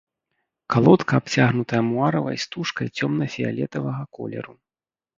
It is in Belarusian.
Калодка абцягнутая муаравай стужкай цёмна-фіялетавага колеру.